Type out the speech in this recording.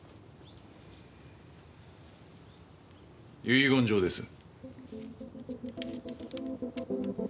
遺言状です。